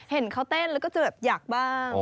เห็นเขาเต้นแล้วก็จะแบบอยากบ้าง